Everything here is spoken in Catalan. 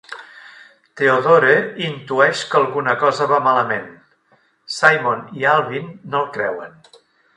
Theodore intueix que alguna cosa va malament; Simon i Alvin no el creuen.